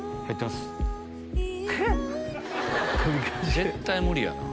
絶対無理やな。